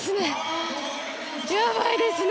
やばいですね！